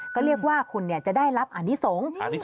ก็เรียกว่าคุณเนี่ยจะได้รับออนิสงศ์